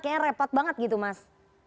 kayaknya repot banget gitu mas